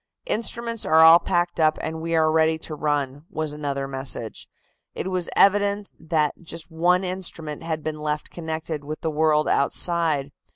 "Instruments are all packed up, and we are ready to run," was another message. It was evident that just one instrument had been left connected with the world outside.